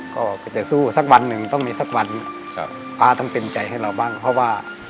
ก็จะสู้สักวันหนึ่งต้องมีสักวันครับป๊าต้องเต็มใจให้เราบ้างเพราะว่า